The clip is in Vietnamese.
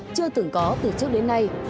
chưa từng có từ trước đến nay